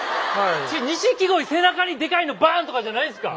錦鯉背中にでかいのバーン！とかじゃないんですか？